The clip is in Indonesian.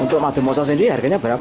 untuk madu moso sendiri harganya berapa